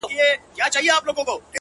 • نه لري هيـڅ نــنــــگ ـ